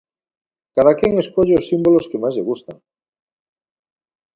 Cadaquén escolle os símbolos que máis lle gustan.